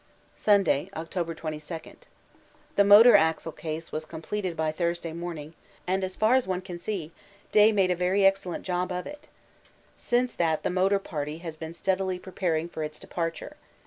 Sunday, October 22. The motor axle case was completed by Thursday morning, and, as far as one can see, Day made a very excellent job of it. Since that the Motor Party has been steadily preparing for its departure.